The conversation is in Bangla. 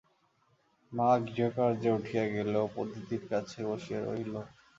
মা গৃহকার্যে উঠিয়া গেলে অপু দিদির কাছে বসিয়া রহিল।